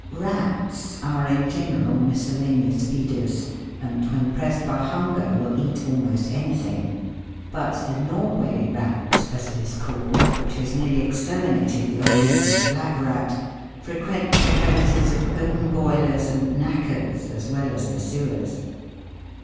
Rats are in general miscellaneous feeders, and, when pressed by hunger, will eat almost anything ; but the Nor way Rat, as it is called, which has nearly exterminated the old English black rat, frequents the premises of bone boilers and knackers, as well as the sewers.